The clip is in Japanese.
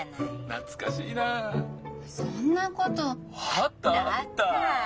あったあった！